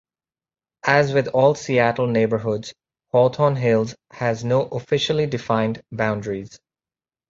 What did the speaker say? As with all Seattle neighborhoods, Hawthorne Hills has no officially-defined boundaries.